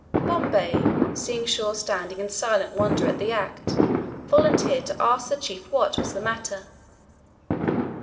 Bombay, seeing Shaw standing in silent wonder at the act, volunteered to ask the chief what was the matter.